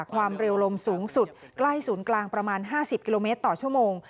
ความเร็วลมสูงสุดใกล้ศูนย์กลางประมาณ๕๐กิโลเมตรต่อชั่วโมง